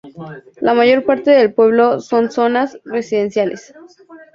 La mayor parte del pueblo son zonas residenciales.